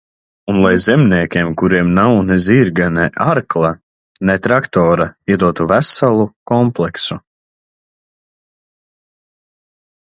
Un lai zemniekiem, kuriem nav ne zirga, ne arkla, ne traktora, iedotu veselu kompleksu.